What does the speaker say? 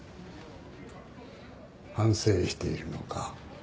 反省しているのか？